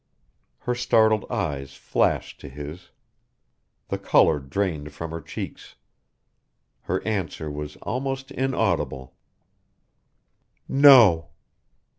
Her startled eyes flashed to his. The color drained from her cheeks. Her answer was almost inaudible "No!"